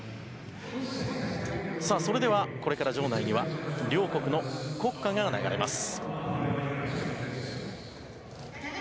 それでは、これから場内には両国の国歌が流れます。